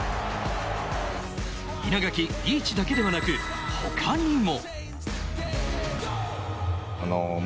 稲垣、リーチだけではなく、他にも。